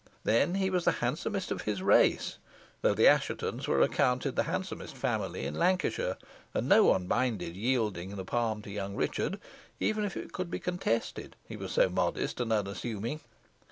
Then he was the handsomest of his race, though the Asshetons were accounted the handsomest family in Lancashire, and no one minded yielding the palm to young Richard, even if it could be contested, he was so modest and unassuming.